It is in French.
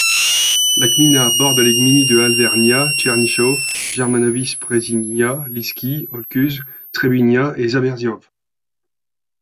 La gmina borde les gminy de Alwernia, Czernichów, Jerzmanowice-Przeginia, Liszki, Olkusz, Trzebinia et Zabierzów.